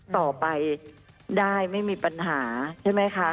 ต่อไปได้ไม่มีปัญหาใช่ไหมคะ